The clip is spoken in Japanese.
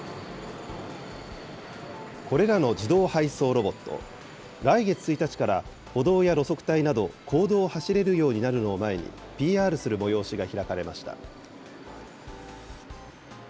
これらの自動配送ロボット、来月１日から歩道や路側帯など、公道を走れるようになるのを前に、ＰＲする催しが開かれました。